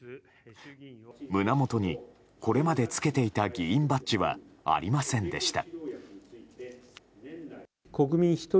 胸元にこれまでつけていた議員バッジはありませんでした。